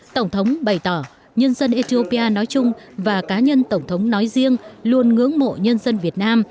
tổng thống bày tỏ nhân dân ethiopia nói chung và cá nhân tổng thống nói riêng luôn ngưỡng mộ nhân dân việt nam